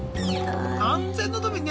安全のためにね